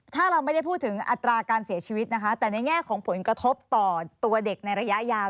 ถ้าเราไม่ได้พูดถึงอัตราการเสียชีวิตนะคะแต่ในแง่ของผลกระทบต่อตัวเด็กในระยะยาว